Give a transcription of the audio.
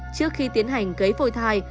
trước khi tiến hành kế phôi thai